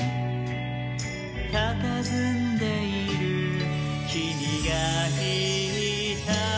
「たたずんでいるきみがいた」